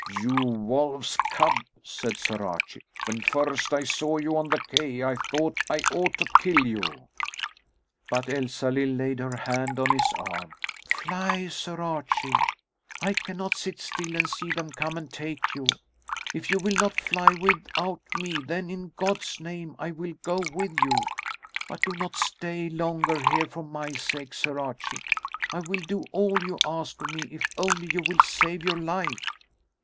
"You wolf's cub!" said Sir Archie. "When first I saw you on the quay I thought I ought to kill you." But Elsalill laid her hand on his arm. "Fly, Sir Archie! I cannot sit still and see them come and take you. If you will not fly without me, then in God's name I will go with you. But do not stay longer here for my sake, Sir Archie! I will do all you ask of me, if only you will save your life."